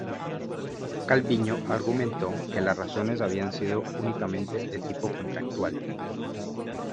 Calviño argumentó que las razones habían sido únicamente de tipo contractual.